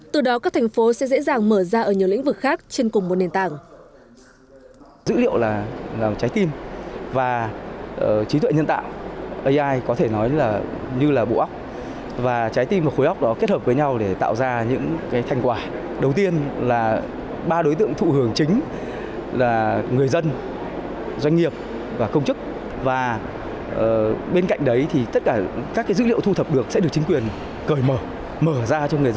từ đó các thành phố sẽ dễ dàng mở ra ở nhiều lĩnh vực khác trên cùng một nền tảng